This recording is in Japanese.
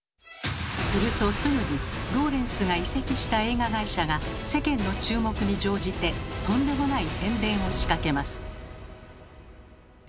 するとすぐにローレンスが移籍した映画会社が世間の注目に乗じてとんでもない宣伝を仕掛けます。